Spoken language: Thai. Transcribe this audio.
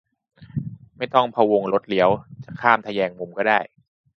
ไม่ต้องพะวงรถเลี้ยว จะข้ามทแยงมุมก็ได้